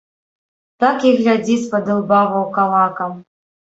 Так і глядзіць спадылба ваўкалакам.